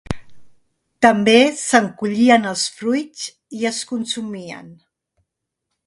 També se'n collien els fruits i es consumien.